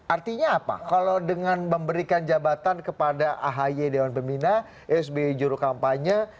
artinya apa kalau dengan memberikan jabatan kepada ahy dewan pembina sby juru kampanye